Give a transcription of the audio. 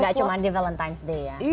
gak cuma di valentine's day ya